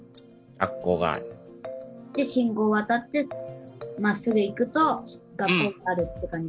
で信号渡ってまっすぐ行くと学校があるって感じ。